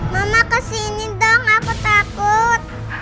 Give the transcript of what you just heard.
mama kesini dong aku takut